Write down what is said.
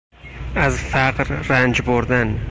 از فقر رنج بردن